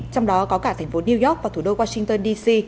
trong đó có cả thành phố new york và thủ đô washington dc